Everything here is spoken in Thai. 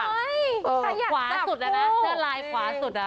ขวาสุดอะนะเสื้อลายขวาสุดอ่ะ